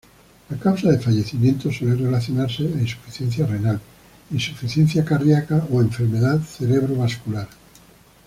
La causa de fallecimiento suele relacionarse a insuficiencia renal, insuficiencia cardiaca o enfermedad cerebrovascular.